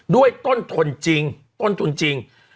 ด้วยต้นทุนจริงต้นทุนจริง